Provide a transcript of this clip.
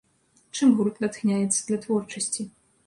Чым гурт натхняецца для творчасці?